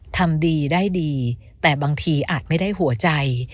ทำดีได้ดีแต่บางทีอาจไม่ได้หัวใจ